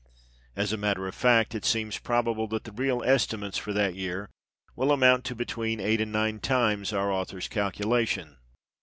As a matter of fact, it seems probable that the real estimates for that year will amount to between eight and nine times our author's calculation.